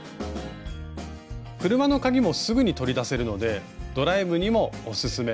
車の鍵もすぐに取り出せるのでドライブにもオススメ。